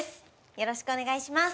よろしくお願いします。